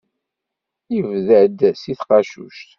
Yebda-d si tqacuct.